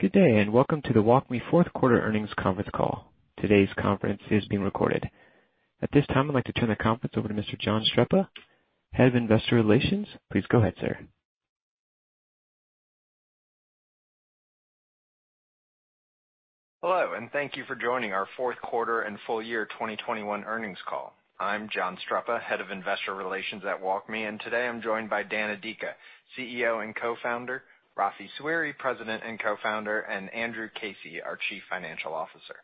Good day, and welcome to the WalkMe Q4 earnings conference call. Today's conference is being recorded. At this time, I'd like to turn the conference over to Mr. John Streppa, Head of Investor Relations. Please go ahead, sir. Hello, and thank you for joining our Q4 and full year 2021 earnings call. I'm John Streppa, Head of Investor Relations at WalkMe, and today I'm joined by Dan Adika, CEO and Co-founder, Rafael Sweary, President and Co-founder, and Andrew Casey, our Chief Financial Officer.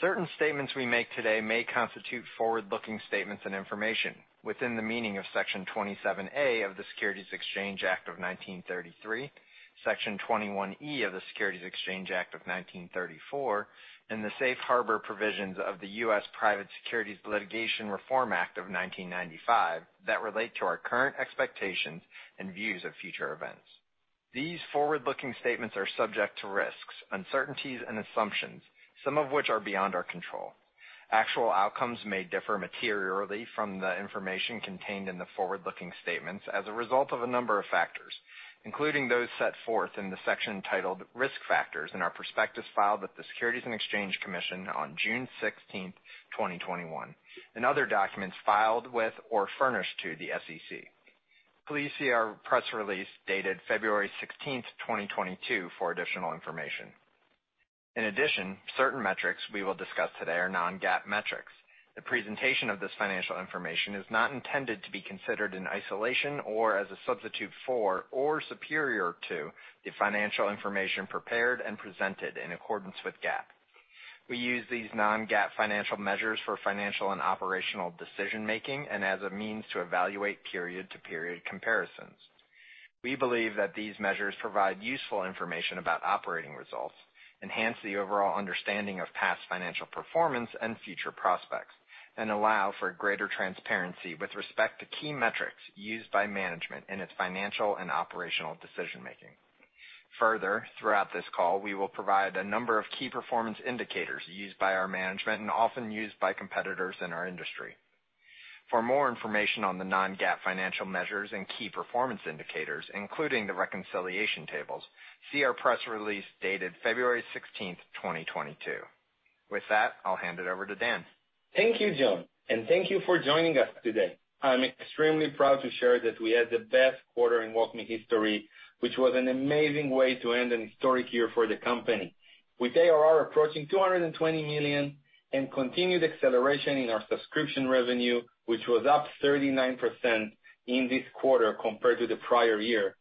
Certain statements we make today may constitute forward-looking statements and information within the meaning of Section 27A of the Securities Act of 1933, Section 21E of the Securities Exchange Act of 1934, and the safe harbor provisions of the U.S. Private Securities Litigation Reform Act of 1995 that relate to our current expectations and views of future events. These forward-looking statements are subject to risks, uncertainties and assumptions, some of which are beyond our control. Actual outcomes may differ materially from the information contained in the forward-looking statements as a result of a number of factors, including those set forth in the section titled Risk Factors in our prospectus filed with the Securities and Exchange Commission on June 16, 2021, and other documents filed with or furnished to the SEC. Please see our press release dated February 16, 2022 for additional information. In addition, certain metrics we will discuss today are non-GAAP metrics. The presentation of this financial information is not intended to be considered in isolation or as a substitute for or superior to the financial information prepared and presented in accordance with GAAP. We use these non-GAAP financial measures for financial and operational decision-making and as a means to evaluate period-to-period comparisons. We believe that these measures provide useful information about operating results, enhance the overall understanding of past financial performance and future prospects, and allow for greater transparency with respect to key metrics used by management in its financial and operational decision-making. Further, throughout this call, we will provide a number of key performance indicators used by our management and often used by competitors in our industry. For more information on the non-GAAP financial measures and key performance indicators, including the reconciliation tables, see our press release dated February 16, 2022. With that, I'll hand it over to Dan. Thank you, Jon, and thank you for joining us today. I'm extremely proud to share that we had the best quarter in WalkMe history, which was an amazing way to end an historic year for the company. With ARR approaching $220 million and continued acceleration in our subscription revenue, which was up 39% in this quarter compared to the prior year,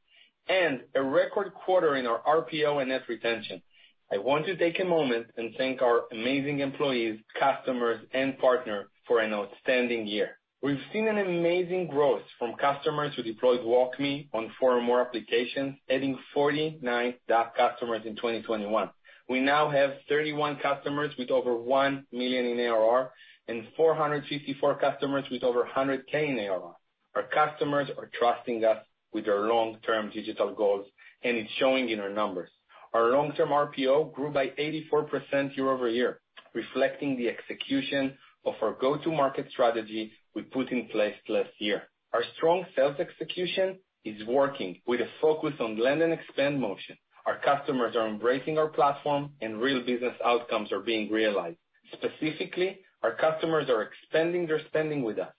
and a record quarter in our RPO and net retention. I want to take a moment and thank our amazing employees, customers, and partners for an outstanding year. We've seen an amazing growth from customers who deployed WalkMe on four or more applications, adding 49 DAP customers in 2021. We now have 31 customers with over $1 million in ARR and 454 customers with over $100K in ARR. Our customers are trusting us with their long-term digital goals, and it's showing in our numbers. Our long-term RPO grew by 84% year-over-year, reflecting the execution of our go-to-market strategy we put in place last year. Our strong sales execution is working with a focus on land and expand motion. Our customers are embracing our platform and real business outcomes are being realized. Specifically, our customers are expanding their spending with us.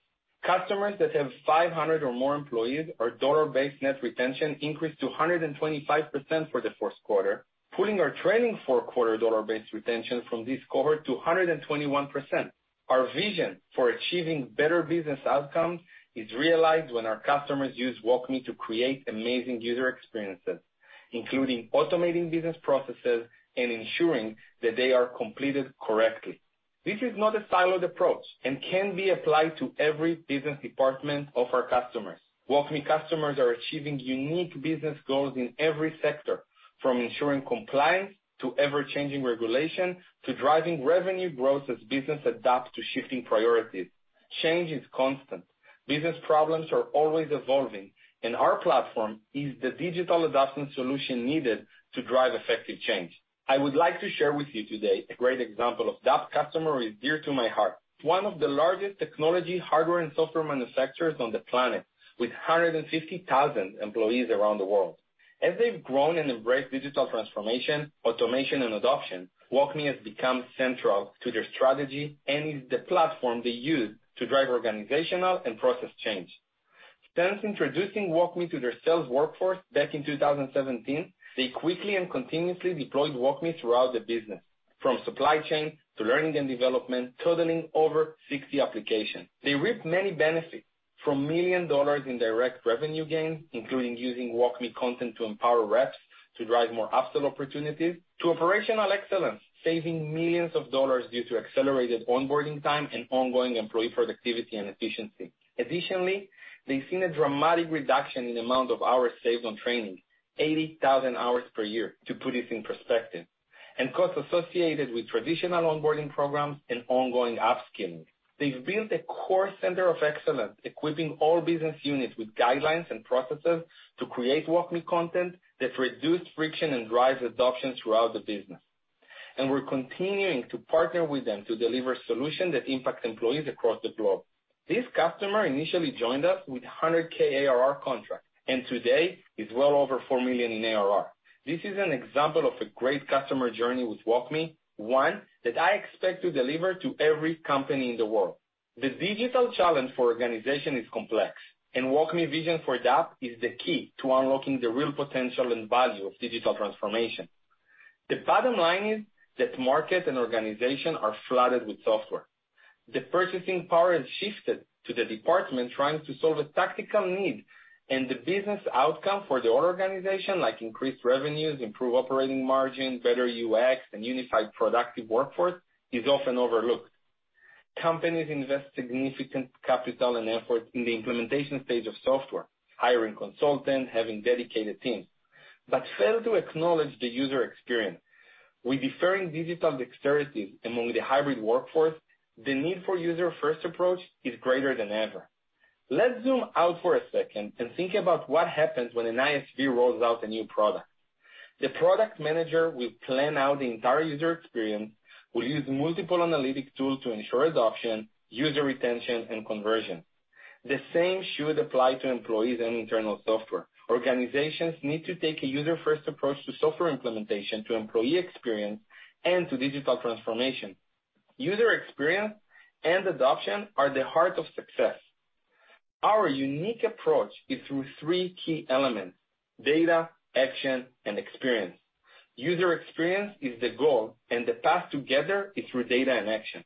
Customers that have 500 or more employees, our dollar-based net retention increased to 125% for the Q1, pulling our trailing Q4 dollar-based retention from this cohort to 121%. Our vision for achieving better business outcomes is realized when our customers use WalkMe to create amazing user experiences, including automating business processes and ensuring that they are completed correctly. This is not a siloed approach and can be applied to every business department of our customers. WalkMe customers are achieving unique business goals in every sector, from ensuring compliance to ever-changing regulation, to driving revenue growth as businesses adapt to shifting priorities. Change is constant. Business problems are always evolving, and our platform is the digital adoption solution needed to drive effective change. I would like to share with you today a great example of that customer who is dear to my heart. One of the largest technology, hardware and software manufacturers on the planet with 150,000 employees around the world. As they've grown and embraced digital transformation, automation and adoption, WalkMe has become central to their strategy and is the platform they use to drive organizational and process change. Since introducing WalkMe to their sales workforce back in 2017, they quickly and continuously deployed WalkMe throughout the business, from supply chain to learning and development, totaling over 60 applications. They reaped many benefits from millions of dollars in direct revenue gains, including using WalkMe content to empower reps to drive more upsell opportunities to operational excellence, saving millions of dollars due to accelerated onboarding time and ongoing employee productivity and efficiency. Additionally, they've seen a dramatic reduction in amount of hours saved on training, 80,000 hours per year, to put this in perspective, and costs associated with traditional onboarding programs and ongoing upskilling. They've built a core center of excellence, equipping all business units with guidelines and processes to create WalkMe content that reduced friction and drives adoption throughout the business. We're continuing to partner with them to deliver solutions that impact employees across the globe. This customer initially joined us with $100K ARR contract, and today is well over $4 million in ARR. This is an example of a great customer journey with WalkMe, one that I expect to deliver to every company in the world. The digital challenge for organization is complex, and WalkMe vision for that is the key to unlocking the real potential and value of digital transformation. The bottom line is that market and organization are flooded with software. The purchasing power has shifted to the department trying to solve a tactical need and the business outcome for the organization, like increased revenues, improved operating margin, better UX, and unified productive workforce, is often overlooked. Companies invest significant capital and effort in the implementation stage of software, hiring consultants, having dedicated teams, but fail to acknowledge the user experience. With differing digital dexterity among the hybrid workforce, the need for user-first approach is greater than ever. Let's zoom out for a second and think about what happens when an ISV rolls out a new product. The product manager will plan out the entire user experience, will use multiple analytic tools to ensure adoption, user retention, and conversion. The same should apply to employees and internal software. Organizations need to take a user-first approach to software implementation, to employee experience, and to digital transformation. User experience and adoption are the heart of success. Our unique approach is through three key elements, data, action, and experience. User experience is the goal, and the path together is through data and action.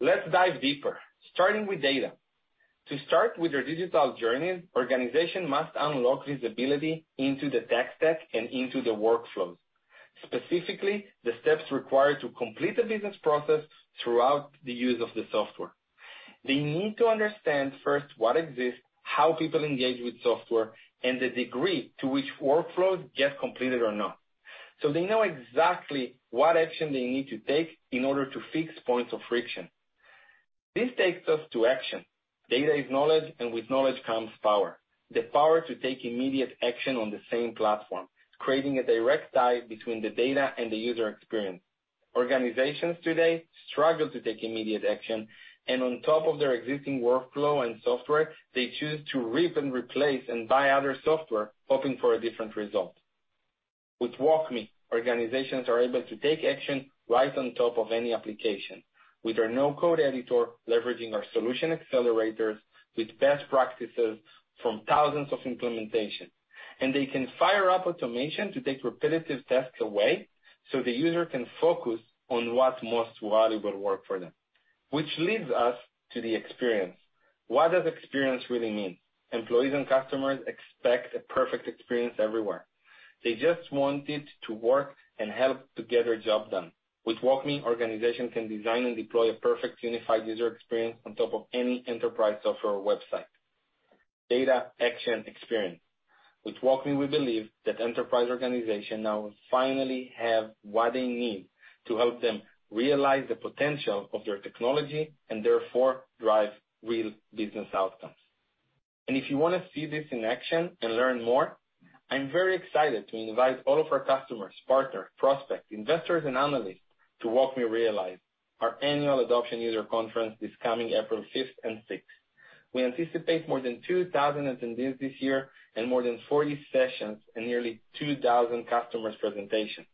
Let's dive deeper, starting with data. To start with your digital journey, organizations must unlock visibility into the tech stack and into the workflows. Specifically, the steps required to complete a business process throughout the use of the software. They need to understand first what exists, how people engage with software, and the degree to which workflows get completed or not. They know exactly what action they need to take in order to fix points of friction. This takes us to action. Data is knowledge, and with knowledge comes power. The power to take immediate action on the same platform, creating a direct tie between the data and the user experience. Organizations today struggle to take immediate action, and on top of their existing workflow and software, they choose to rip and replace and buy other software, hoping for a different result. With WalkMe, organizations are able to take action right on top of any application. With our no-code editor, leveraging our solution accelerators, with best practices from 1000 of implementations. They can fire up automation to take repetitive tasks away so the user can focus on what's most valuable work for them. Which leads us to the experience. What does experience really mean? Employees and customers expect a perfect experience everywhere. They just want it to work and help to get their job done. With WalkMe, organizations can design and deploy a perfect unified user experience on top of any enterprise software or website. Data, action, experience. With WalkMe, we believe that enterprise organization now finally have what they need to help them realize the potential of their technology, and therefore, drive real business outcomes. If you wanna see this in action and learn more, I'm very excited to invite all of our customers, partners, prospects, investors, and analysts to WalkMe Realize. Our annual adoption user conference is coming April fifth and sixth. We anticipate more than 2,000 attendees this year and more than 40 sessions and nearly 2,000 customer presentations.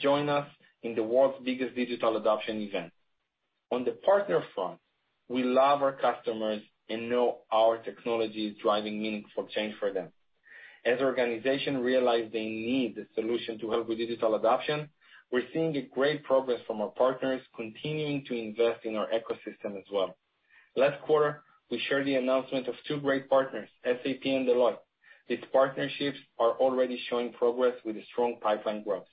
Join us in the world's biggest digital adoption event. On the partner front, we love our customers and know our technology is driving meaningful change for them. As organizations realize they need the solution to help with digital adoption, we're seeing a great progress from our partners continuing to invest in our ecosystem as well. Last quarter, we shared the announcement of two great partners, SAP and Deloitte. These partnerships are already showing progress with a strong pipeline growth.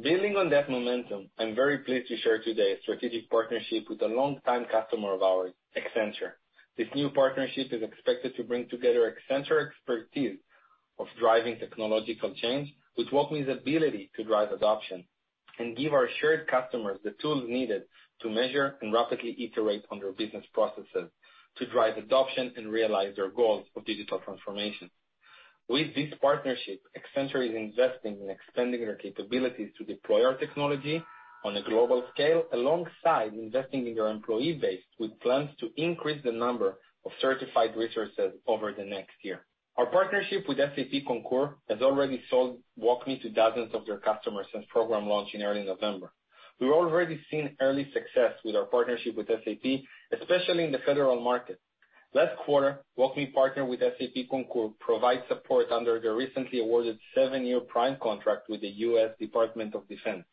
Building on that momentum, I'm very pleased to share today a strategic partnership with a longtime customer of ours, Accenture. This new partnership is expected to bring together Accenture expertise of driving technological change with WalkMe's ability to drive adoption and give our shared customers the tools needed to measure and rapidly iterate on their business processes to drive adoption and realize their goals of digital transformation. With this partnership, Accenture is investing in expanding their capabilities to deploy our technology on a global scale, alongside investing in their employee base with plans to increase the number of certified resources over the next year. Our partnership with SAP Concur has already sold WalkMe to dozens of their customers since program launch in early November. We've already seen early success with our partnership with SAP, especially in the federal market. Last quarter, WalkMe partnered with SAP Concur to provide support under the recently awarded seven-year prime contract with the U.S. Department of Defense.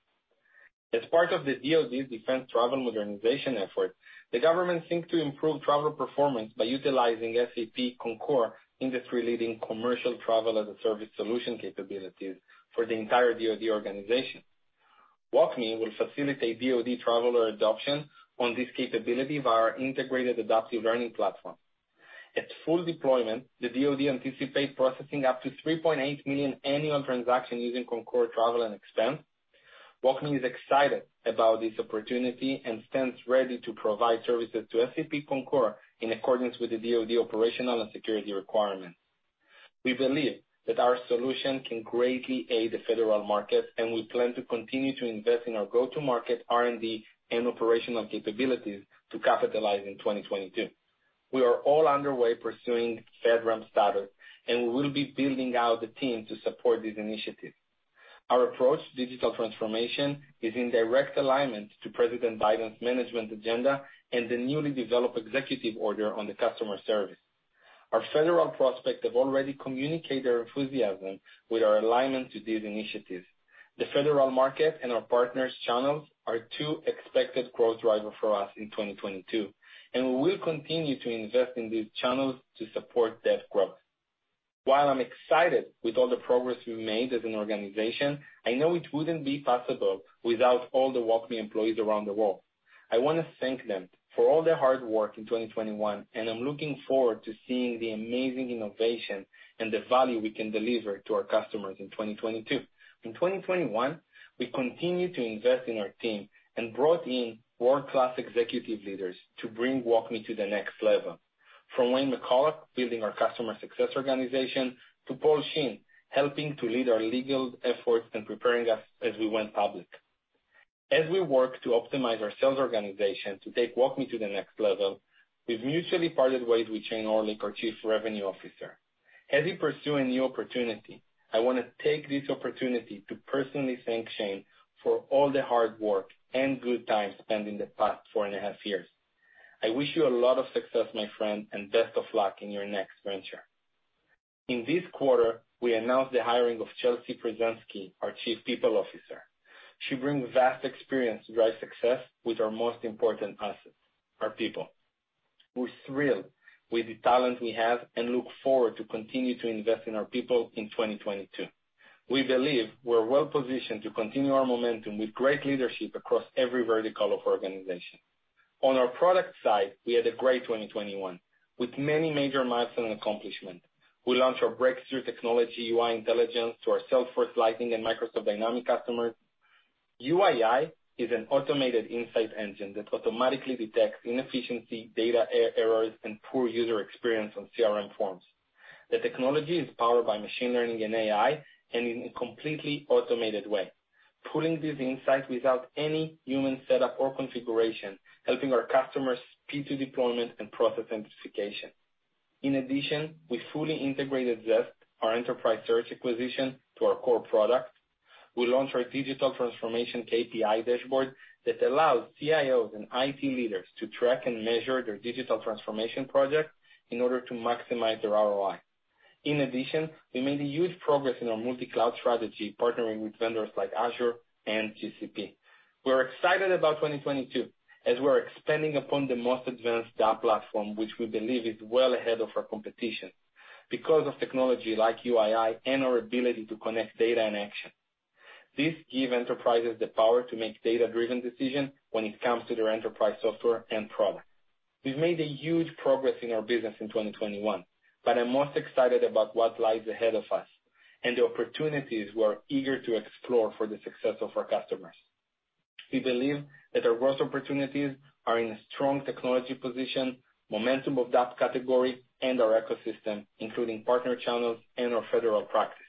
As part of the DoD's defense travel modernization effort, the government seeks to improve travel performance by utilizing SAP Concur industry-leading commercial travel as a service solution capabilities for the entire DoD organization. WalkMe will facilitate DoD traveler adoption on this capability via our integrated adaptive learning platform. At full deployment, the DoD anticipate processing up to 3.8 million annual transactions using Concur Travel & Expense. WalkMe is excited about this opportunity and stands ready to provide services to SAP Concur in accordance with the DoD operational and security requirements. We believe that our solution can greatly aid the federal market, and we plan to continue to invest in our go-to-market R&D and operational capabilities to capitalize in 2022. We are well underway pursuing FedRAMP status, and we will be building out the team to support this initiative. Our approach to digital transformation is in direct alignment to President Biden's management agenda and the newly developed executive order on the customer service. Our federal prospects have already communicated their enthusiasm with our alignment to these initiatives. The federal market and our partners channels are two expected growth driver for us in 2022, and we will continue to invest in these channels to support that growth. While I'm excited with all the progress we've made as an organization, I know it wouldn't be possible without all the WalkMe employees around the world. I wanna thank them for all their hard work in 2021, and I'm looking forward to seeing the amazing innovation and the value we can deliver to our customers in 2022. In 2021, we continued to invest in our team and brought in world-class executive leaders to bring WalkMe to the next level. From Wayne McCulloch building our customer success organization to Paul Shinn helping to lead our legal efforts and preparing us as we went public. As we work to optimize our sales organization to take WalkMe to the next level, we've mutually parted ways with Shane Orlick, our Chief Revenue Officer. As he pursue a new opportunity, I wanna take this opportunity to personally thank Shane for all the hard work and good times spent in the past four and a half years. I wish you a lot of success, my friend, and best of luck in your next venture. In this quarter, we announced the hiring of Chelsea Pyrzenski, our Chief People Officer. She brings vast experience to drive success with our most important assets, our people. We're thrilled with the talent we have and look forward to continue to invest in our people in 2022. We believe we're well-positioned to continue our momentum with great leadership across every vertical of our organization. On our product side, we had a great 2021, with many major milestone accomplishment. We launched our breakthrough technology, UI Intelligence, to our Salesforce Lightning and Microsoft Dynamics customers. UII is an automated insight engine that automatically detects inefficiency, data errors, and poor user experience on CRM forms. The technology is powered by machine learning and AI and in a completely automated way, pulling these insights without any human setup or configuration, helping our customers speed to deployment and process simplification. In addition, we fully integrated Zest, our enterprise search acquisition, to our core product. We launched our Digital Adoption Projects Dashboard that allows CIOs and IT leaders to track and measure their digital transformation project in order to maximize their ROI. In addition, we made a huge progress in our multi-cloud strategy, partnering with vendors like Azure and GCP. We're excited about 2022, as we're expanding upon the most advanced DAP platform, which we believe is well ahead of our competition because of technology like UII and our ability to connect data and action. This gives enterprises the power to make data-driven decisions when it comes to their enterprise software and products. We've made a huge progress in our business in 2021, but I'm most excited about what lies ahead of us and the opportunities we're eager to explore for the success of our customers. We believe that our growth opportunities are in a strong technology position, momentum of that category, and our ecosystem, including partner channels and our federal practice.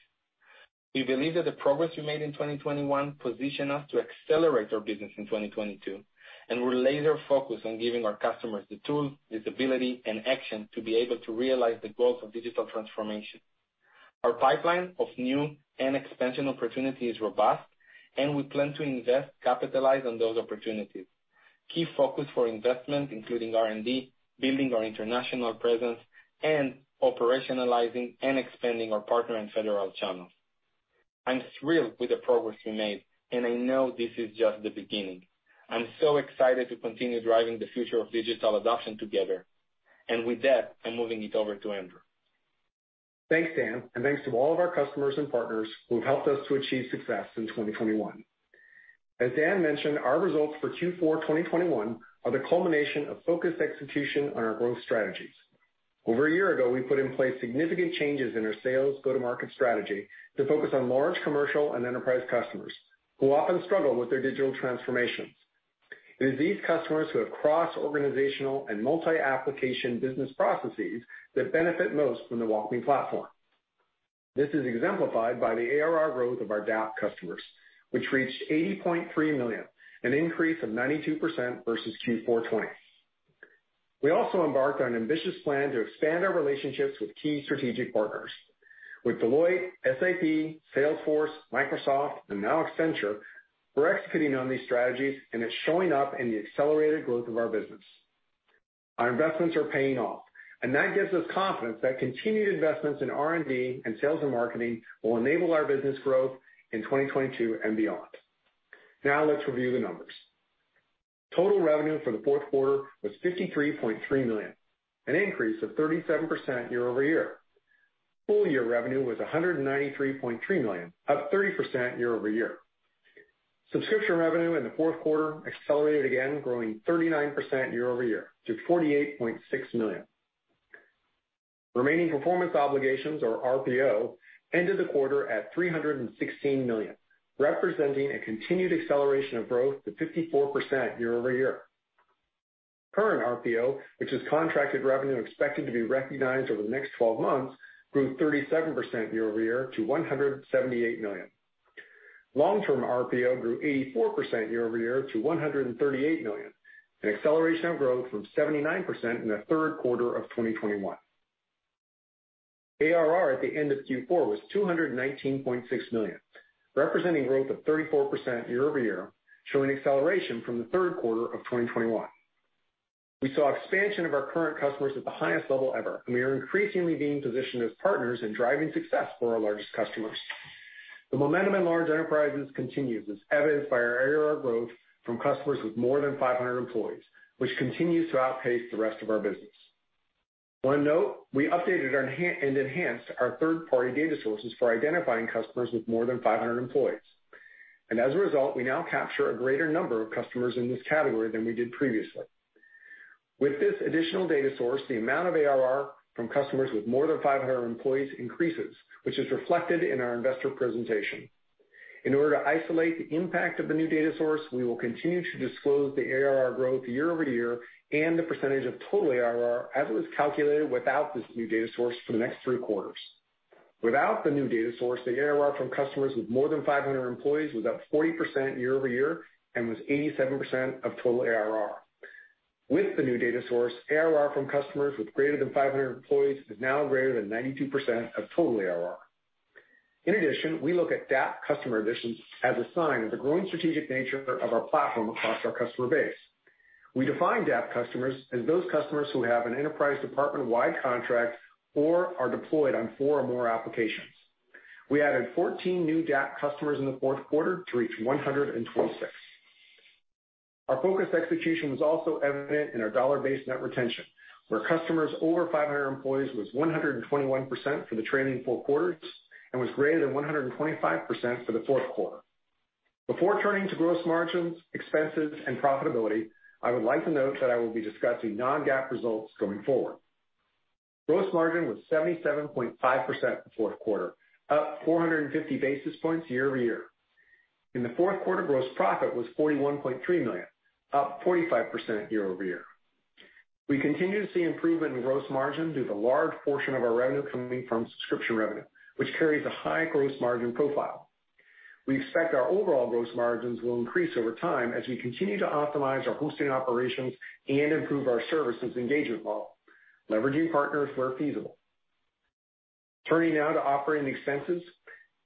We believe that the progress we made in 2021 position us to accelerate our business in 2022, and we're laser focused on giving our customers the tools, visibility, and action to be able to realize the goals of digital transformation. Our pipeline of new and expansion opportunity is robust, and we plan to invest, capitalize on those opportunities. Key focus for investment, including R&D, building our international presence, and operationalizing and expanding our partner and federal channels. I'm thrilled with the progress we made, and I know this is just the beginning. I'm so excited to continue driving the future of digital adoption together. With that, I'm moving it over to Andrew. Thanks, Dan, and thanks to all of our customers and partners who have helped us to achieve success in 2021. As Dan mentioned, our results for Q4 2021 are the culmination of focused execution on our growth strategies. Over a year ago, we put in place significant changes in our sales go-to-market strategy to focus on large commercial and enterprise customers who often struggle with their digital transformations. It is these customers who have cross-organizational and multi-application business processes that benefit most from the WalkMe platform. This is exemplified by the ARR growth of our DAP customers, which reached $80.3 million, an increase of 92% versus Q4 2020. We also embarked on an ambitious plan to expand our relationships with key strategic partners. With Deloitte, SAP, Salesforce, Microsoft, and now Accenture, we're executing on these strategies, and it's showing up in the accelerated growth of our business. Our investments are paying off, and that gives us confidence that continued investments in R&D and sales and marketing will enable our business growth in 2022 and beyond. Now let's review the numbers. Total revenue for the Q4 was $53.3 million, an increase of 37% year-over-year. Full year revenue was $193.3 million, up 30% year-over-year. Subscription revenue in the Q4 accelerated again, growing 39% year-over-year to $48.6 million. Remaining performance obligations, or RPO, ended the quarter at $316 million, representing a continued acceleration of growth to 54% year-over-year. Current RPO, which is contracted revenue expected to be recognized over the next twelve months, grew 37% year-over-year to $178 million. Long-term RPO grew 84% year-over-year to $138 million, an acceleration of growth from 79% in the Q3 of 2021. ARR at the end of Q4 was $219.6 million, representing growth of 34% year-over-year, showing acceleration from the Q3 of 2021. We saw expansion of our current customers at the highest level ever, and we are increasingly being positioned as partners in driving success for our largest customers. The momentum in large enterprises continues, as evidenced by our ARR growth from customers with more than 500 employees, which continues to outpace the rest of our business. One note, we updated our enhanced our third-party data sources for identifying customers with more than 500 employees. As a result, we now capture a greater number of customers in this category than we did previously. With this additional data source, the amount of ARR from customers with more than 500 employees increases, which is reflected in our investor presentation. In order to isolate the impact of the new data source, we will continue to disclose the ARR growth year-over-year and the percentage of total ARR as it was calculated without this new data source for the next three quarters. Without the new data source, the ARR from customers with more than 500 employees was up 40% year-over-year and was 87% of total ARR. With the new data source, ARR from customers with greater than 500 employees is now greater than 92% of total ARR. In addition, we look at DAP customer additions as a sign of the growing strategic nature of our platform across our customer base. We define DAP customers as those customers who have an enterprise department-wide contract or are deployed on 4 or more applications. We added 14 new DAP customers in the Q4 to reach 126. Our focused execution was also evident in our dollar-based net retention, where customers over 500 employees was 121% for the trailing four quarters and was greater than 125% for the Q4. Before turning to gross margins, expenses, and profitability, I would like to note that I will be discussing non-GAAP results going forward. Gross margin was 77.5% in the Q4, up 450 basis points year-over-year. In the Q4, gross profit was $41.3 million, up 45% year-over-year. We continue to see improvement in gross margin due to a large portion of our revenue coming from subscription revenue, which carries a high gross margin profile. We expect our overall gross margins will increase over time as we continue to optimize our hosting operations and improve our services engagement model, leveraging partners where feasible. Turning now to operating expenses.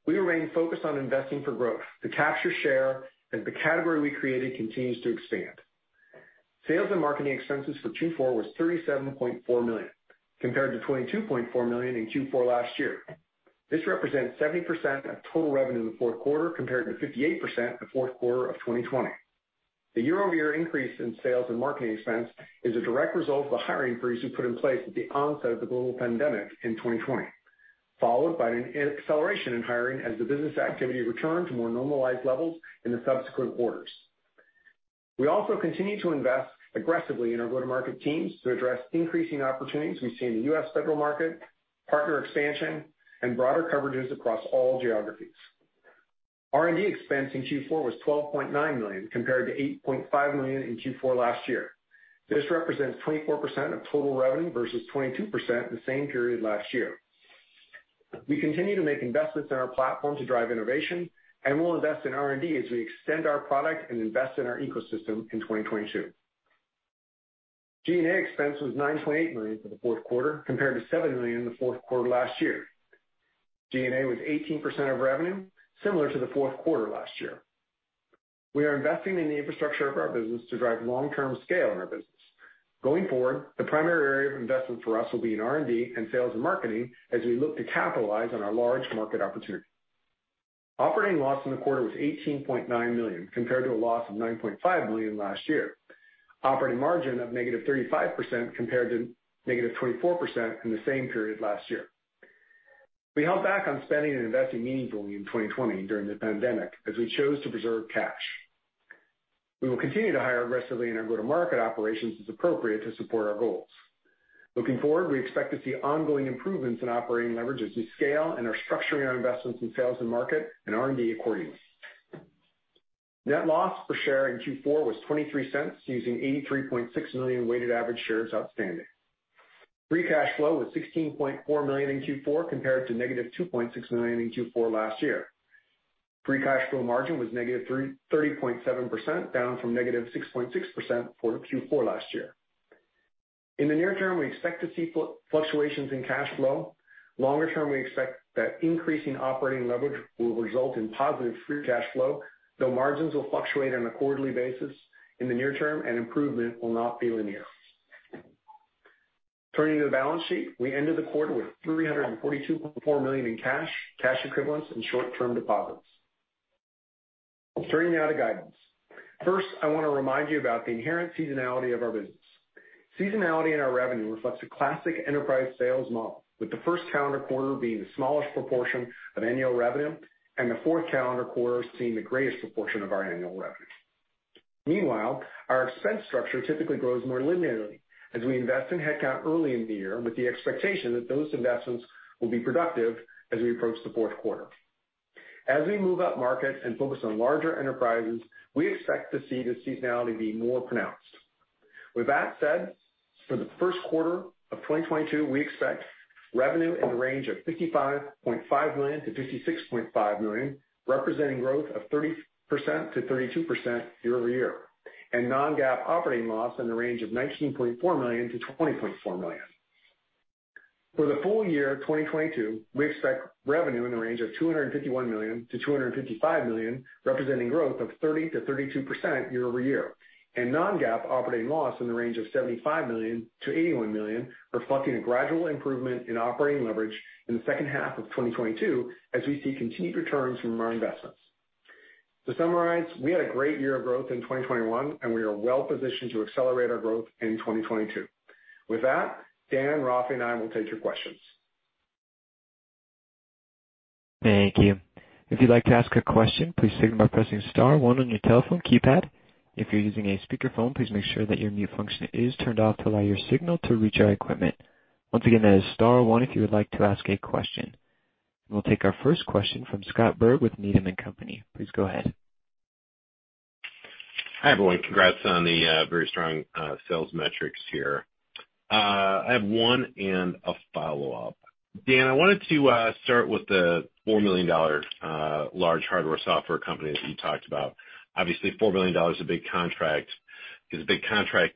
We remain focused on investing for growth to capture share, and the category we created continues to expand. Sales and marketing expenses for Q4 was $37.4 million, compared to $22.4 million in Q4 last year. This represents 70% of total revenue in the Q4, compared to 58% in the Q4 of 2020. The year-over-year increase in sales and marketing expense is a direct result of the hiring freeze we put in place at the onset of the global pandemic in 2020, followed by an acceleration in hiring as the business activity returned to more normalized levels in the subsequent quarters. We also continue to invest aggressively in our go-to-market teams to address increasing opportunities we see in the U.S. federal market, partner expansion, and broader coverages across all geographies. R&D expense in Q4 was $12.9 million, compared to $8.5 million in Q4 last year. This represents 24% of total revenue versus 22% in the same period last year. We continue to make investments in our platform to drive innovation, and we'll invest in R&D as we extend our product and invest in our ecosystem in 2022. G&A expense was $9.8 million for the Q4, compared to $7 million in the Q4 last year. G&A was 18% of revenue, similar to the Q4 last year. We are investing in the infrastructure of our business to drive long-term scale in our business. Going forward, the primary area of investment for us will be in R&D and sales and marketing as we look to capitalize on our large market opportunity. Operating loss in the quarter was $18.9 million, compared to a loss of $9.5 million last year. Operating margin of -35%, compared to -24% in the same period last year. We held back on spending and investing meaningfully in 2020 during the pandemic, as we chose to preserve cash. We will continue to hire aggressively in our go-to-market operations as appropriate to support our goals. Looking forward, we expect to see ongoing improvements in operating leverage as we scale and are structuring our investments in sales and marketing and R&D accordingly. Net loss per share in Q4 was $0.23, using 83.6 million weighted average shares outstanding. Free cash flow was $16.4 million in Q4, compared to -$2.6 million in Q4 last year. Free cash flow margin was -30.7%, down from -6.6% for Q4 last year. In the near term, we expect to see fluctuations in cash flow. Longer term, we expect that increasing operating leverage will result in positive free cash flow, though margins will fluctuate on a quarterly basis in the near term and improvement will not be linear. Turning to the balance sheet. We ended the quarter with $342.4 million in cash equivalents, and short-term deposits. Turning now to guidance. First, I wanna remind you about the inherent seasonality of our business. Seasonality in our revenue reflects a classic enterprise sales model, with the first calendar quarter being the smallest proportion of annual revenue and the fourth calendar quarter seeing the greatest proportion of our annual revenue. Meanwhile, our expense structure typically grows more linearly as we invest in headcount early in the year with the expectation that those investments will be productive as we approach the Q4. As we move up market and focus on larger enterprises, we expect to see the seasonality be more pronounced. With that said, for the Q1 of 2022, we expect revenue in the range of $55.5 million-$56.5 million, representing growth of 30%-32% year-over-year, and non-GAAP operating loss in the range of $19.4 million-$20.4 million. For the full year of 2022, we expect revenue in the range of $251 million-$255 million, representing growth of 30%-32% year-over-year, and non-GAAP operating loss in the range of $75 million-$81 million, reflecting a gradual improvement in operating leverage in the second half of 2022 as we see continued returns from our investments. To summarize, we had a great year of growth in 2021, and we are well positioned to accelerate our growth in 2022. With that, Dan, Rafi and I will take your questions. Thank you. If you'd like to ask a question, please signal by pressing star one on your telephone keypad. If you're using a speaker phone, please make sure that your mute function is turned off to allow your signal to reach our equipment. Once again, that is star one if you would like to ask a question. We'll take our first question from Scott Berg with Needham & Company. Please go ahead. Hi, everyone. Congrats on the very strong sales metrics here. I have one and a follow-up. Dan, I wanted to start with the $4 million large hardware, software company that you talked about. Obviously, $4 million is a big contract,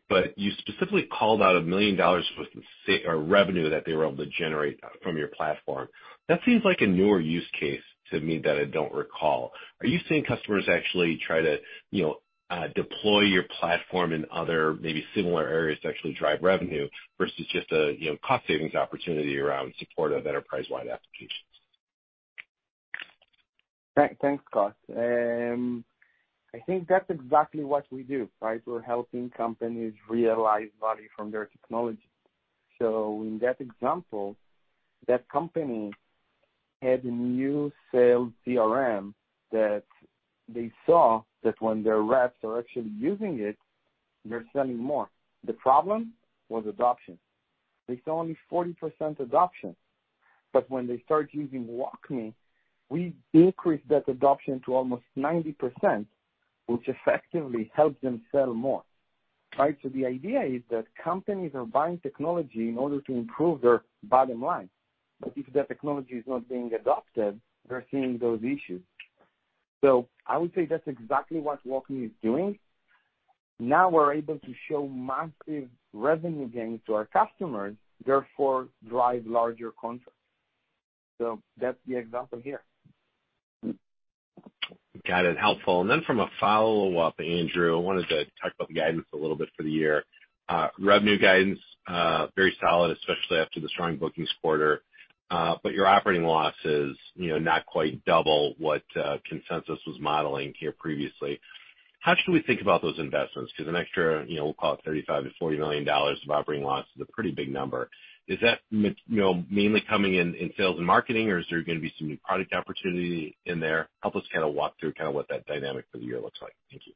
but you specifically called out $1 million worth of SaaS or revenue that they were able to generate from your platform. That seems like a newer use case to me that I don't recall. Are you seeing customers actually try to, you know, deploy your platform in other maybe similar areas to actually drive revenue versus just a, you know, cost savings opportunity around support of enterprise-wide applications? Thanks, Scott. I think that's exactly what we do, right? We're helping companies realize value from their technology. In that example, that company had a new sales CRM that they saw that when their reps are actually using it, they're selling more. The problem was adoption. They saw only 40% adoption, but when they start using WalkMe, we increased that adoption to almost 90%, which effectively helps them sell more, right? The idea is that companies are buying technology in order to improve their bottom line. If that technology is not being adopted, they're seeing those issues. I would say that's exactly what WalkMe is doing. Now we're able to show massive revenue gains to our customers, therefore drive larger contracts. That's the example here. Got it. Helpful. Then from a follow-up, Andrew, I wanted to talk about the guidance a little bit for the year. Revenue guidance very solid, especially after the strong bookings quarter. Your operating loss is, you know, not quite double what consensus was modeling here previously. How should we think about those investments? 'Cause an extra, you know, we'll call it $35 million-$40 million of operating loss is a pretty big number. Is that, you know, mainly coming in sales and marketing, or is there gonna be some new product opportunity in there? Help us kinda walk through kinda what that dynamic for the year looks like. Thank you.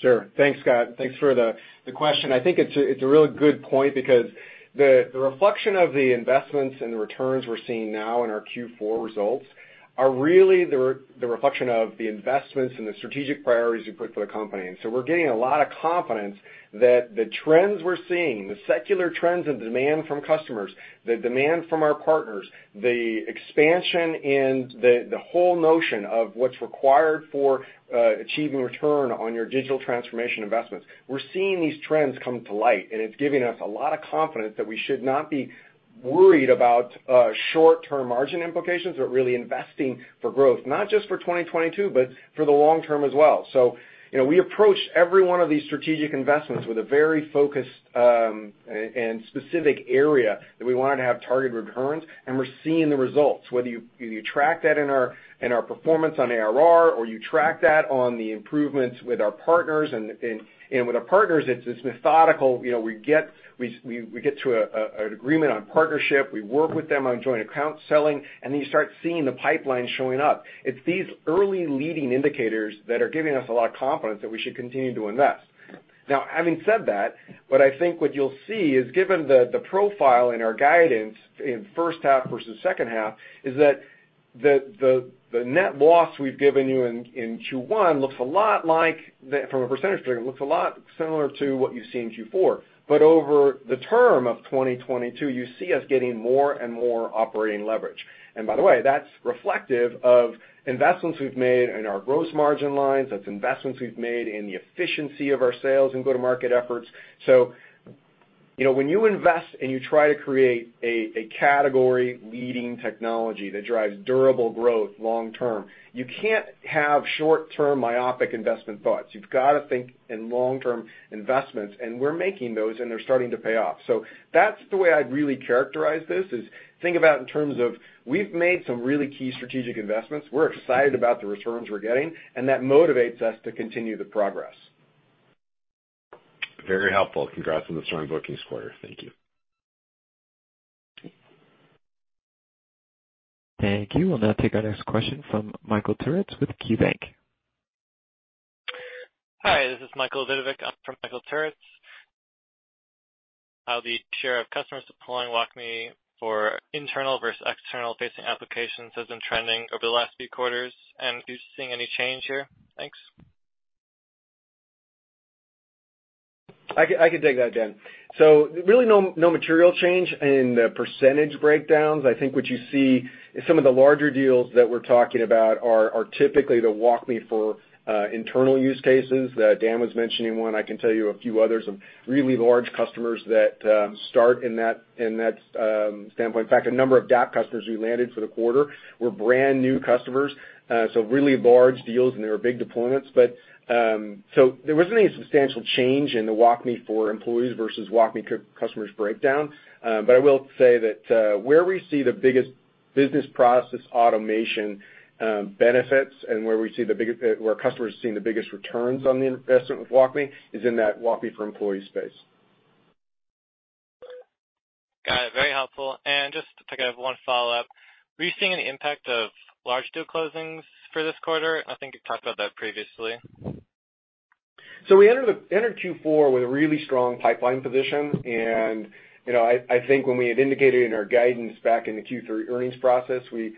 Sure. Thanks, Scott. Thanks for the question. I think it's a really good point because the reflection of the investments and the returns we're seeing now in our Q4 results are really the reflection of the investments and the strategic priorities we put for the company. We're getting a lot of confidence that the trends we're seeing, the secular trends of demand from customers, the demand from our partners, the expansion and the whole notion of what's required for achieving return on your digital transformation investments. We're seeing these trends come to light, and it's giving us a lot of confidence that we should not be worried about short-term margin implications, but really investing for growth, not just for 2022, but for the long term as well. You know, we approach every one of these strategic investments with a very focused and specific area that we wanted to have targeted returns, and we're seeing the results. Whether you track that in our performance on ARR, or you track that on the improvements with our partners. With our partners, it's methodical. You know, we get to an agreement on partnership. We work with them on joint account selling, and then you start seeing the pipeline showing up. It's these early leading indicators that are giving us a lot of confidence that we should continue to invest. Now, having said that, what I think you'll see is, given the profile in our guidance in first half versus second half, that the net loss we've given you in Q1, from a percentage perspective, looks a lot similar to what you see in Q4. Over the term of 2022, you see us getting more and more operating leverage. By the way, that's reflective of investments we've made in our gross margin lines. That's investments we've made in the efficiency of our sales and go-to-market efforts. You know, when you invest and you try to create a category leading technology that drives durable growth long term, you can't have short-term myopic investment thoughts. You've gotta think in long-term investments, and we're making those, and they're starting to pay off. That's the way I'd really characterize this, is think about in terms of we've made some really key strategic investments. We're excited about the returns we're getting, and that motivates us to continue the progress. Very helpful. Congrats on the strong bookings quarter. Thank you. Thank you. We'll now take our next question from Michael Turits with KeyBank. Hi, this is Michael Vidovic. I'm from Michael Turits. How the share of customers deploying WalkMe for internal versus external facing applications has been trending over the last few quarters, and if you're seeing any change here? Thanks. I can take that, Dan. Really no material change in the percentage breakdowns. I think what you see is some of the larger deals that we're talking about are typically the WalkMe for internal use cases that Dan was mentioning one, I can tell you a few others of really large customers that start in that standpoint. In fact, a number of DAP customers we landed for the quarter were brand new customers, so really large deals and they were big deployments. There wasn't any substantial change in the WalkMe for employees versus WalkMe customers breakdown. I will say that where we see the biggest business process automation benefits and where customers are seeing the biggest returns on the investment with WalkMe is in that WalkMe for employee space. Got it. Very helpful. Just to pick up one follow-up, were you seeing any impact of large deal closings for this quarter? I think you talked about that previously. We entered Q4 with a really strong pipeline position. You know, I think when we had indicated in our guidance back in the Q3 earnings process, we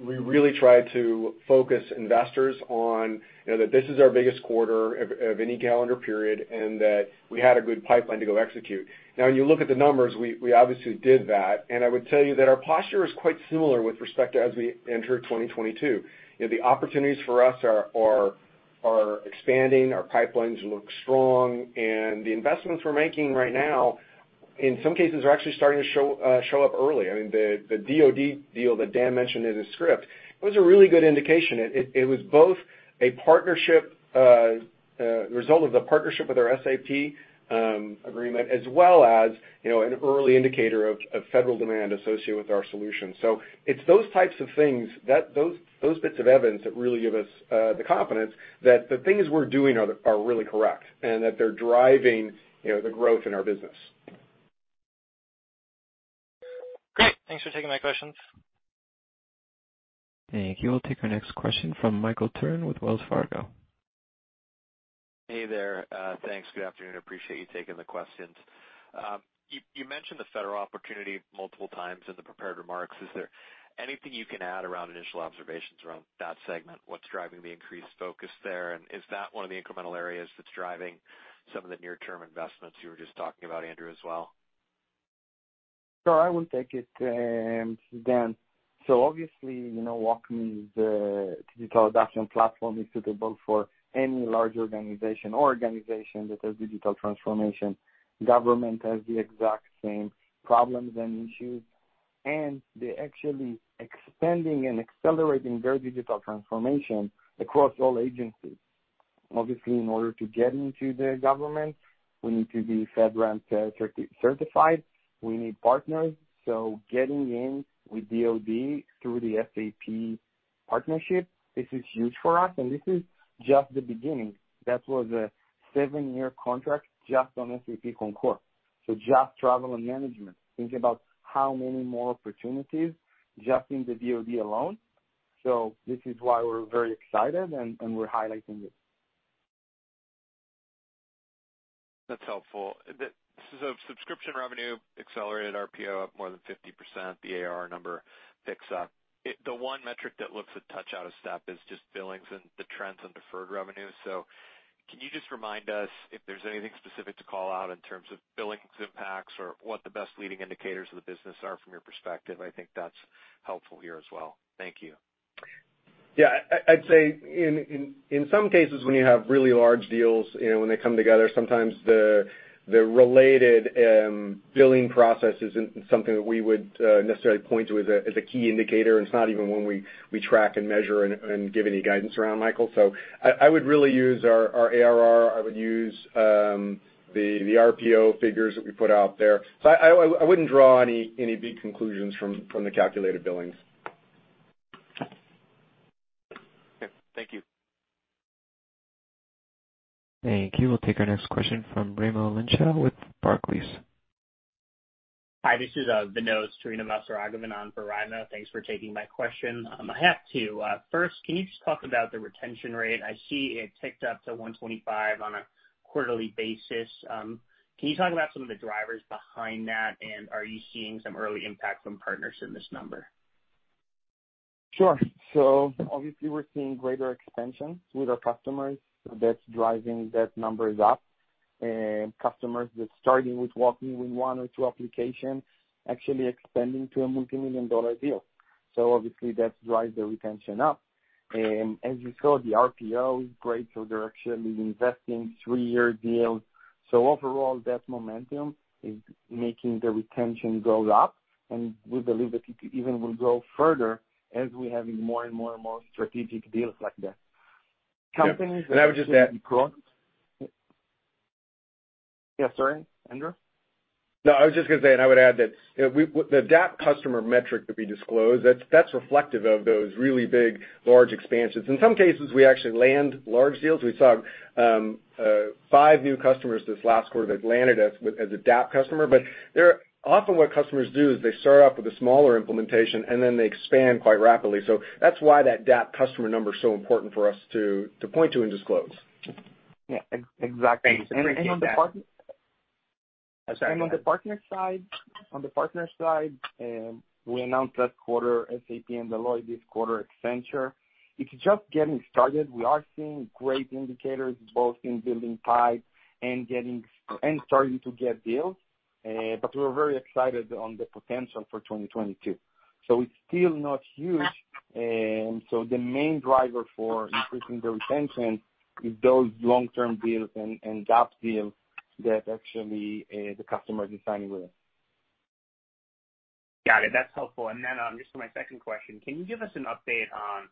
really tried to focus investors on, you know, that this is our biggest quarter of any calendar period, and that we had a good pipeline to go execute. Now when you look at the numbers, we obviously did that, and I would tell you that our posture is quite similar with respect to as we enter 2022. You know, the opportunities for us are expanding. Our pipelines look strong, and the investments we're making right now, in some cases are actually starting to show up early. I mean, the DoD deal that Dan mentioned in his script was a really good indication. It was both a partnership result of the partnership with our SAP agreement, as well as you know an early indicator of federal demand associated with our solution. It's those types of things that those bits of evidence that really give us the confidence that the things we're doing are really correct, and that they're driving you know the growth in our business. Great. Thanks for taking my questions. Thank you. We'll take our next question from Michael Turrin with Wells Fargo. Hey there. Thanks. Good afternoon. Appreciate you taking the questions. You mentioned the federal opportunity multiple times in the prepared remarks. Is there anything you can add around initial observations around that segment? What's driving the increased focus there? Is that one of the incremental areas that's driving some of the near term investments you were just talking about, Andrew, as well? Sure. I will take it, Dan. Obviously, you know, WalkMe's digital adoption platform is suitable for any large organization or organization that does digital transformation. Government has the exact same problems and issues, and they're actually expanding and accelerating their digital transformation across all agencies. Obviously, in order to get into the government, we need to be FedRAMP certified. We need partners. Getting in with DoD through the SAP partnership, this is huge for us, and this is just the beginning. That was a seven-year contract just on SAP Concur. Just travel and expense management. Think about how many more opportunities just in the DoD alone. This is why we're very excited and we're highlighting it. That's helpful. Subscription revenue accelerated RPO up more than 50%, the ARR number picks up. The one metric that looks a touch out of step is just billings and the trends on deferred revenue. Can you just remind us if there's anything specific to call out in terms of billings impacts or what the best leading indicators of the business are from your perspective? I think that's helpful here as well. Thank you. Yeah. I'd say in some cases, when you have really large deals, you know, when they come together, sometimes the related billing process isn't something that we would necessarily point to as a key indicator. It's not even one we track and measure and give any guidance around, Michael. I wouldn't draw any big conclusions from the calculated billings. Okay. Thank you. Thank you. We'll take our next question from Raimo Lenschow with Barclays. Hi, this is Vinod Srinivasaraghavan on for Raimo Lenschow. Thanks for taking my question. I have two. First, can you just talk about the retention rate? I see it ticked up to 125% on a quarterly basis. Can you talk about some of the drivers behind that? Are you seeing some early impact from partners in this number? Sure. Obviously we're seeing greater expansion with our customers. That's driving that numbers up. Customers that's starting with WalkMe with one or two applications actually expanding to a multimillion-dollar deal. Obviously that drives the retention up. As you saw, the RPO is great, so they're actually investing three-year deals. Overall, that momentum is making the retention go up, and we believe that it even will go further as we're having more and more and more strategic deals like that. Companies- Can I just add? Yeah. Sorry, Andrew? No, I was just gonna say, and I would add that, you know, the DAP customer metric that we disclosed, that's reflective of those really big, large expansions. In some cases, we actually land large deals. We saw 5 new customers this last quarter that landed us as a DAP customer. But they're often what customers do is they start off with a smaller implementation, and then they expand quite rapidly. That's why that DAP customer number is so important for us to point to and disclose. Yeah, exactly. Thanks. I appreciate that. On the partner side, we announced last quarter SAP and Deloitte this quarter Accenture. It's just getting started. We are seeing great indicators both in building pipe and getting and starting to get deals. But we're very excited on the potential for 2022. It's still not huge. The main driver for increasing the retention is those long-term deals and DAP deals that actually the customer is signing with. Got it. That's helpful. Just for my second question, can you give us an update on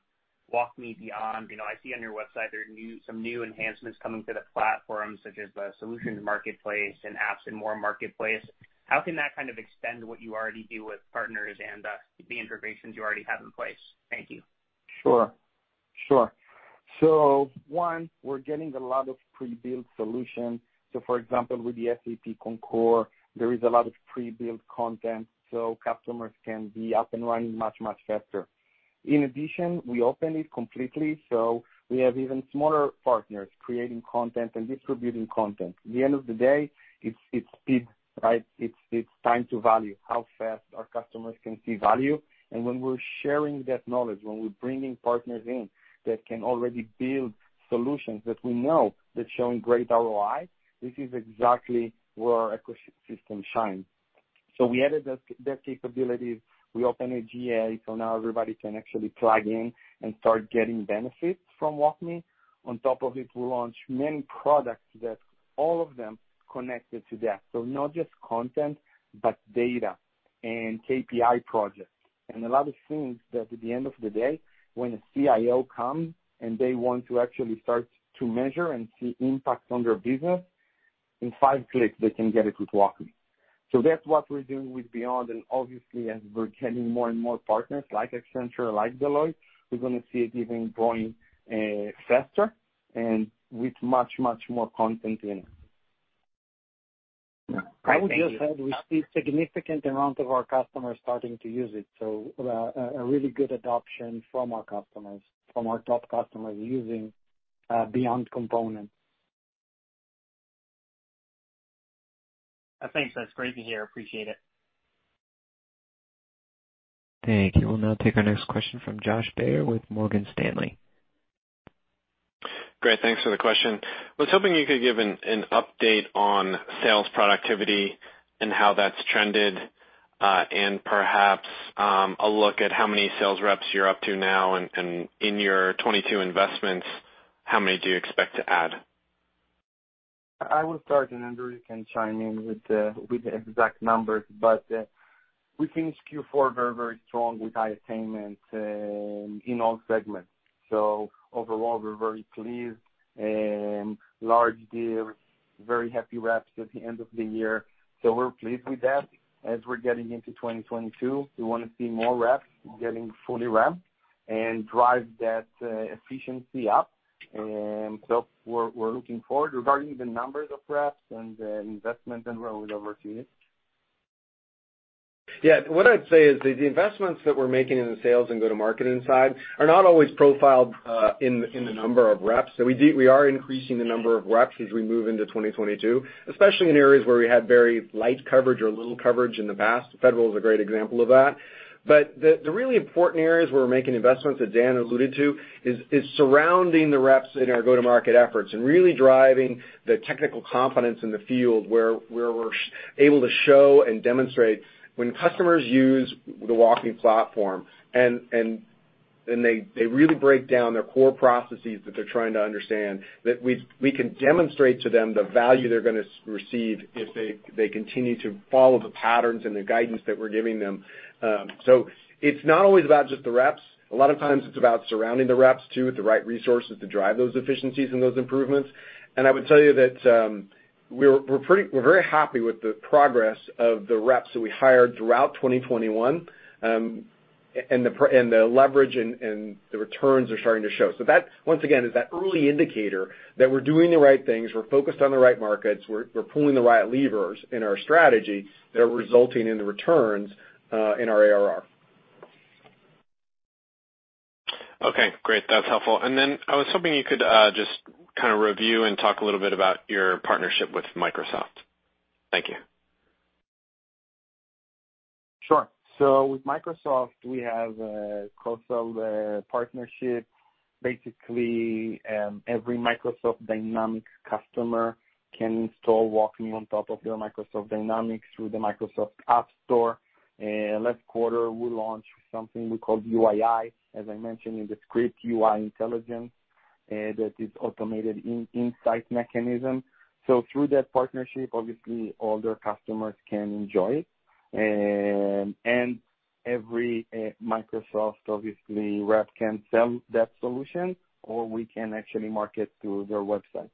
WalkMe Beyond? You know, I see on your website there are some new enhancements coming to the platform, such as the WalkMe Marketplace and Apps & More Marketplace. How can that kind of extend what you already do with partners and the integrations you already have in place? Thank you. Sure. One, we're getting a lot of pre-built solutions. For example, with the SAP Concur, there is a lot of pre-built content, so customers can be up and running much, much faster. In addition, we open it completely, so we have even smaller partners creating content and distributing content. At the end of the day, it's speed, right? It's time to value, how fast our customers can see value. When we're sharing that knowledge, when we're bringing partners in that can already build solutions that we know that's showing great ROI, this is exactly where our ecosystem shines. We added that capability. We opened a GA, so now everybody can actually plug in and start getting benefits from WalkMe. On top of it, we launched many products that all of them connected to that. Not just content, but data and KPI projects. A lot of things that at the end of the day, when a CIO comes, and they want to actually start to measure and see impact on their business, in five clicks, they can get it with WalkMe. That's what we're doing with Beyond, and obviously as we're getting more and more partners like Accenture, like Deloitte, we're gonna see it even growing, faster and with much, much more content in it. Great. Thank you. I would just add, we see significant amount of our customers starting to use it, so, a really good adoption from our customers, from our top customers using, Beyond component. Thanks. That's great to hear. Appreciate it. Thank you. We'll now take our next question from Josh Baer with Morgan Stanley. Great, thanks for the question. I was hoping you could give an update on sales productivity and how that's trended, and perhaps a look at how many sales reps you're up to now and in your 22 investments, how many do you expect to add? I will start, and Andrew, you can chime in with the exact numbers. We finished Q4 very strong with high attainment in all segments. Overall, we're very pleased. Large deals, very happy reps at the end of the year, so we're pleased with that. As we're getting into 2022, we wanna see more reps getting fully ramped and drive that efficiency up. We're looking forward regarding the numbers of reps and the investment, and we'll hand over to you. Yeah. What I'd say is the investments that we're making in the sales and go-to-market side are not always profiled in the number of reps. We are increasing the number of reps as we move into 2022, especially in areas where we had very light coverage or little coverage in the past. Federal is a great example of that. The really important areas where we're making investments that Dan alluded to is surrounding the reps in our go-to-market efforts and really driving the technical confidence in the field, where we're able to show and demonstrate when customers use the WalkMe platform and they really break down their core processes that they're trying to understand, that we can demonstrate to them the value they're gonna receive if they continue to follow the patterns and the guidance that we're giving them. So it's not always about just the reps. A lot of times it's about surrounding the reps too, with the right resources to drive those efficiencies and those improvements. I would tell you that we're very happy with the progress of the reps that we hired throughout 2021. The leverage and the returns are starting to show. That, once again, is that early indicator that we're doing the right things, we're focused on the right markets, we're pulling the right levers in our strategy that are resulting in the returns in our ARR. Okay, great. That's helpful. I was hoping you could just kind of review and talk a little bit about your partnership with Microsoft. Thank you. Sure. With Microsoft, we have a co-sell partnership. Basically, every Microsoft Dynamics customer can install WalkMe on top of their Microsoft Dynamics through the Microsoft AppSource. Last quarter, we launched something we call UII, as I mentioned in the script, UI Intelligence, that is automated insight mechanism. Through that partnership, obviously all their customers can enjoy it. Every Microsoft rep, obviously, can sell that solution or we can actually market through their website.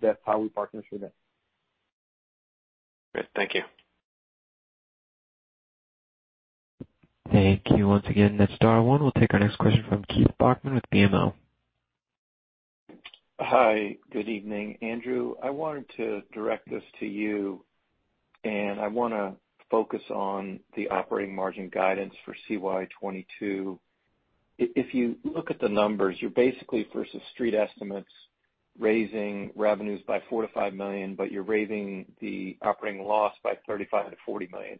That's how we partner with them. Great. Thank you. Thank you once again. That's star one. We'll take our next question from Keith Bachman with BMO. Hi, good evening. Andrew, I wanted to direct this to you, and I wanna focus on the operating margin guidance for CY 22. If you look at the numbers, you're basically versus street estimates raising revenues by $4 million-$5 million, but you're raising the operating loss by $35 million-$40 million.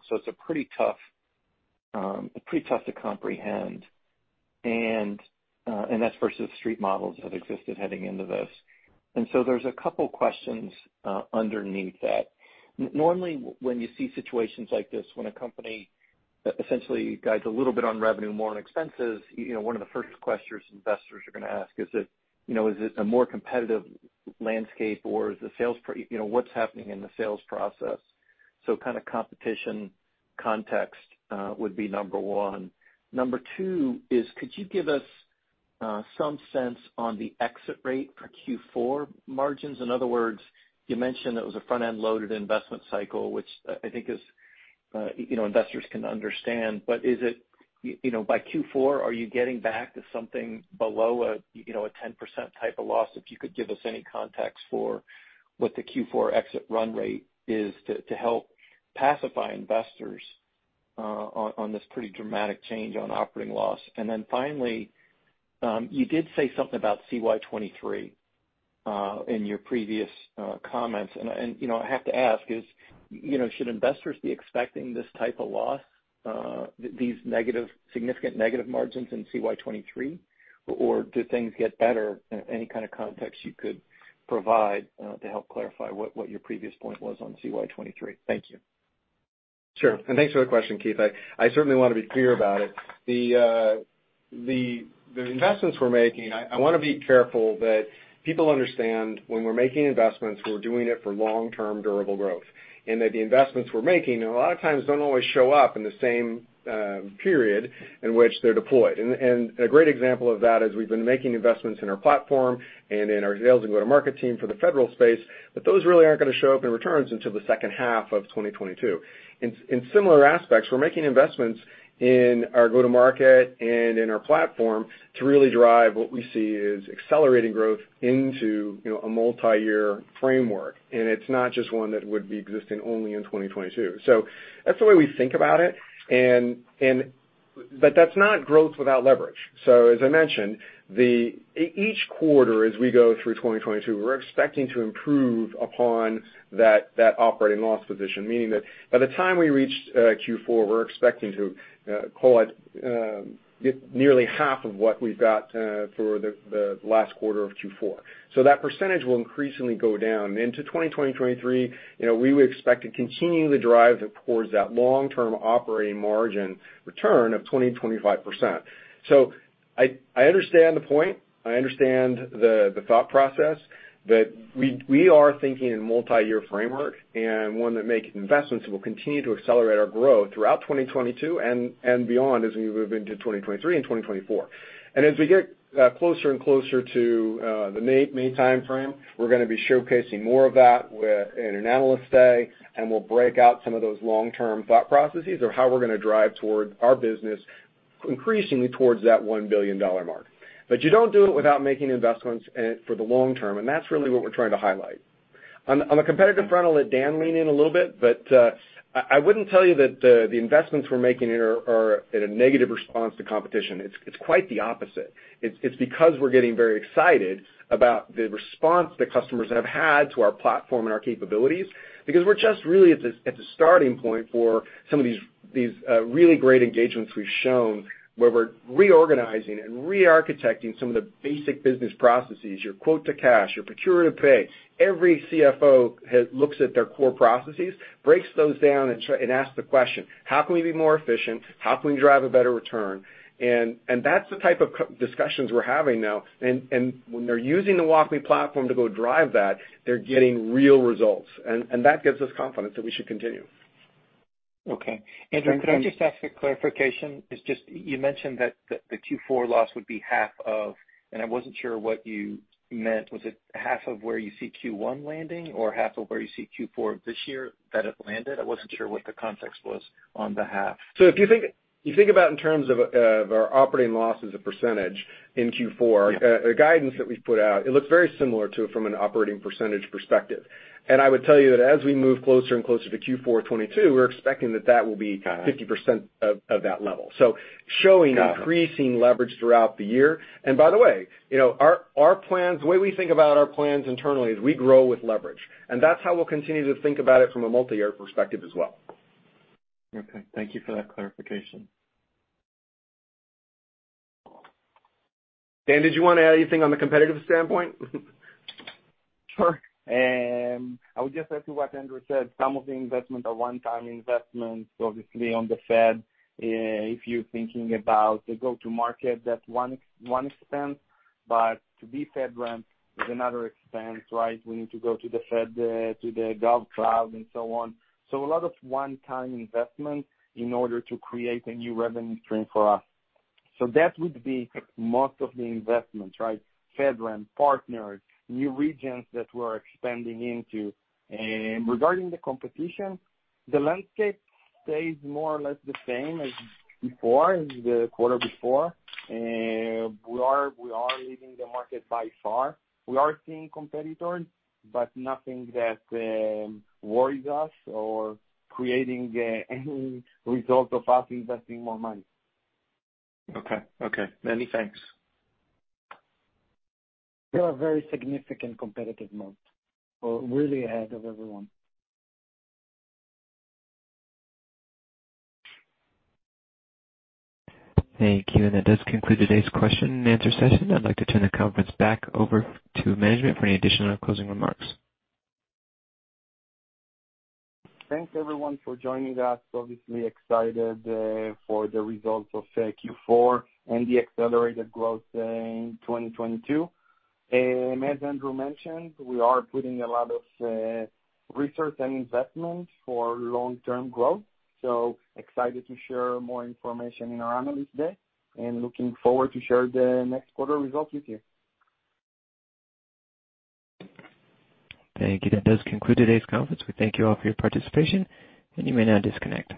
It's pretty tough to comprehend. That's versus street models that existed heading into this. There's a couple questions underneath that. Normally, when you see situations like this when a company essentially guides a little bit on revenue, more on expenses, you know, one of the first questions investors are gonna ask is if you know, is it a more competitive landscape or you know, what's happening in the sales process. Kind of competition context would be number one. Number two, could you give us some sense on the exit rate for Q4 margins? In other words, you mentioned that it was a front-end loaded investment cycle, which, I think is, you know, investors can understand. Is it, you know, by Q4, are you getting back to something below a, you know, a 10% type of loss? If you could give us any context for what the Q4 exit run rate is to help pacify investors on this pretty dramatic change on operating loss. Finally, you did say something about CY 2023 in your previous comments. You know, I have to ask is, you know, should investors be expecting this type of loss, these significant negative margins in CY 2023 or do things get better? Any kind of context you could provide to help clarify what your previous point was on CY 2023. Thank you. Sure. Thanks for the question, Keith. I certainly wanna be clear about it. The investments we're making, I wanna be careful that people understand when we're making investments, we're doing it for long-term durable growth. That the investments we're making, a lot of times don't always show up in the same period in which they're deployed. A great example of that is we've been making investments in our platform and in our sales and go-to-market team for the federal space, but those really aren't gonna show up in returns until the second half of 2022. In similar aspects, we're making investments in our go-to-market and in our platform to really drive what we see as accelerating growth into, you know, a multi-year framework. It's not just one that would be existing only in 2022. That's the way we think about it. That's not growth without leverage. As I mentioned, each quarter as we go through 2022, we're expecting to improve upon that operating loss position. Meaning that by the time we reach Q4, we're expecting to call it get nearly half of what we've got for the last quarter of Q4. That percentage will increasingly go down. Into 2023, you know, we would expect to continue the drive towards that long-term operating margin return of 20%-25%. I understand the point. I understand the thought process. We are thinking in multi-year framework and one that make investments that will continue to accelerate our growth throughout 2022 and beyond as we move into 2023 and 2024. As we get closer and closer to the May timeframe, we're gonna be showcasing more of that within an analyst day, and we'll break out some of those long-term thought processes of how we're gonna drive toward our business increasingly towards that $1 billion mark. You don't do it without making investments in it for the long term, and that's really what we're trying to highlight. On a competitive front, I'll let Dan lean in a little bit, but I wouldn't tell you that the investments we're making here are at a negative response to competition. It's quite the opposite. It's because we're getting very excited about the response that customers have had to our platform and our capabilities, because we're just really at the starting point for some of these really great engagements we've shown where we're reorganizing and re-architecting some of the basic business processes, your quote to cash, your procure to pay. Every CFO looks at their core processes, breaks those down and asks the question, "How can we be more efficient? How can we drive a better return?" That's the type of discussions we're having now. When they're using the WalkMe platform to go drive that, they're getting real results. That gives us confidence that we should continue. Okay. Andrew, can I just ask a clarification? It's just you mentioned that the Q4 loss would be half of. I wasn't sure what you meant. Was it half of where you see Q1 landing or half of where you see Q4 this year that it landed? I wasn't sure what the context was on the half. If you think about it in terms of our operating loss as a percentage in Q4. The guidance that we've put out, it looks very similar to it from an operating percentage perspective. I would tell you that as we move closer and closer to Q4 2022, we're expecting that will be- Got it. 50% of that level. Showing Got it. Increasing leverage throughout the year. By the way, you know, our plans, the way we think about our plans internally is we grow with leverage. That's how we'll continue to think about it from a multi-year perspective as well. Okay. Thank you for that clarification. Dan, did you wanna add anything on the competitive standpoint? Sure. I would just add to what Andrew said, some of the investments are one-time investments, obviously on the Fed. If you're thinking about the go-to market, that's one-off expense, but to be FedRAMP is another expense, right? We need to go to the Fed, to the GovCloud and so on. A lot of one-time investments in order to create a new revenue stream for us. That would be most of the investments, right? FedRAMP, partners, new regions that we're expanding into. Regarding the competition, the landscape stays more or less the same as before, as the quarter before. We are leading the market by far. We are seeing competitors, but nothing that worries us or creating any reason of us investing more money. Okay. Many thanks. We have a very significant competitive moat. We're really ahead of everyone. Thank you. That does conclude today's question and answer session. I'd like to turn the conference back over to management for any additional closing remarks. Thanks everyone for joining us. Obviously excited for the results of Q4 and the accelerated growth in 2022. As Andrew mentioned, we are putting a lot of research and investment for long-term growth, so excited to share more information in our Analyst Day and looking forward to share the next quarter results with you. Thank you. That does conclude today's conference. We thank you all for your participation, and you may now disconnect.